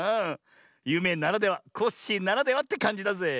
ゆめならではコッシーならではってかんじだぜ。